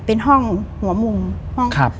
มีห้องหอมง